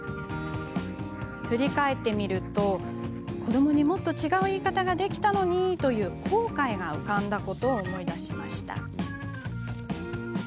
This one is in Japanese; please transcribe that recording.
振り返ってみると、子どもにもっと違う言い方ができたのにという後悔が浮かんだことを思い出しました。